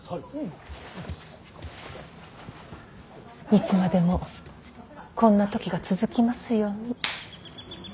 いつまでもこんな時が続きますように。